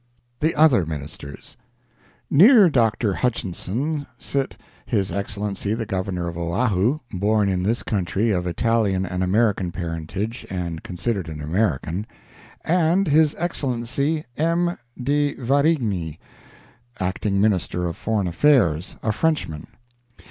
THE OTHER MINISTERS Near Dr. Hutchinson sit His Excellency the Governor of Oahu (born in this country of Italian and American parentage, and considered an American) and His Excellency M. De Varigny, Acting Minister of Foreign Affairs—a Frenchman.